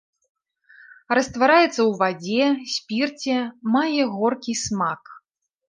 Раствараецца ў вадзе, спірце, мае горкі смак.